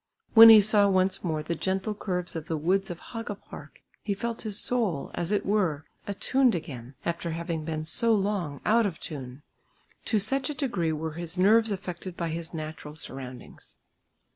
When he saw once more the gentle curves of the woods of Haga Park he felt his soul, as it were, attuned again, after having been so long out of tune. To such a degree were his nerves affected by his natural surroundings.